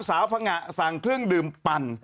พังงะสั่งเครื่องดื่มปั่น